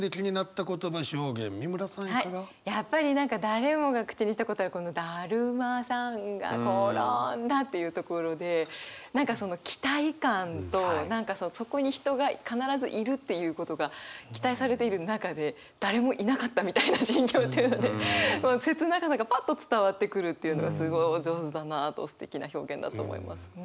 やっぱり何か誰もが口にしたことある何かその期待感とそこに人が必ずいるっていうことが期待されている中で誰もいなかったみたいな心境っていうので切なさがパッと伝わってくるっていうのがすごいお上手だなとすてきな表現だと思います。